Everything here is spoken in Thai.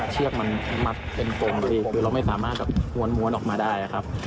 เชือกมันหมัดตรงตรงกับที่ดีไม่สามารถหว้นออกมาได้ครับ